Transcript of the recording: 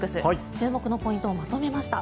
注目のポイントをまとめました。